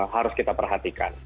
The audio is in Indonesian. harus kita perhatikan